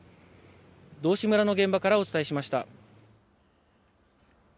道志村の現場からお伝えしました。